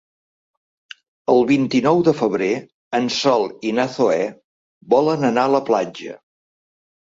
El vint-i-nou de febrer en Sol i na Zoè volen anar a la platja.